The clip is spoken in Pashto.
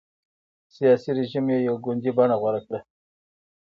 سیاسي رژیم یې یو ګوندي بڼه غوره کړه.